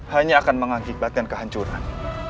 hanya akan mengakibatkan kehancuran